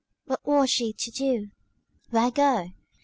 What was she to do? where go?